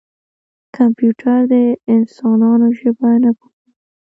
کمپیوټر د انسانانو ژبه نه پوهېږي.